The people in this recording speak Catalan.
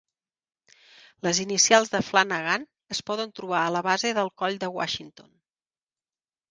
Les inicials de Flanagan es poden trobar a la base del coll de Washington.